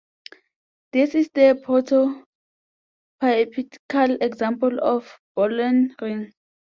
This is the prototypical example of a Boolean ring.